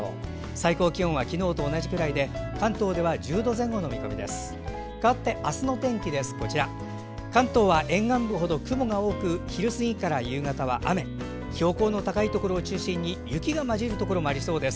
最高気温は昨日と同じくらいで関東では１０度前後の見込みです。